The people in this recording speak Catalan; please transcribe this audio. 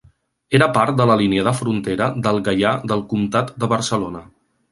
Era part de la línia de frontera del Gaià del Comtat de Barcelona.